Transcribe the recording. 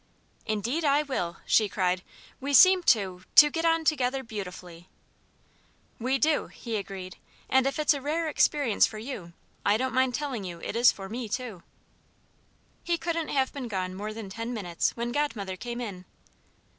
"Indeed I will!" she cried. "We seem to to get on together beautifully." "We do," he agreed, "and if it's a rare experience for you, I don't mind telling you it is for me too." He couldn't have been gone more than ten minutes when Godmother came in.